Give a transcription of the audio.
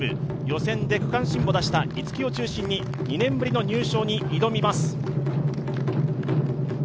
予選で区間新も出した逸木を中心に、２年ぶりの入賞に挑みます。